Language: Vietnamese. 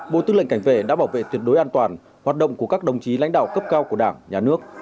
bộ tư lệnh cảnh vệ đã bảo vệ tuyệt đối an toàn hoạt động của các đồng chí lãnh đạo cấp cao của đảng nhà nước